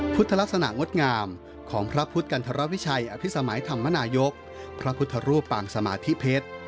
ลักษณะงดงามของพระพุทธกันธรวิชัยอภิสมัยธรรมนายกพระพุทธรูปปางสมาธิเพชร